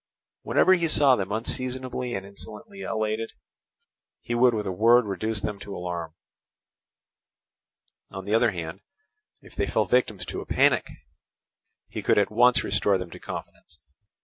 Whenever he saw them unseasonably and insolently elated, he would with a word reduce them to alarm; on the other hand, if they fell victims to a panic, he could at once restore them to confidence.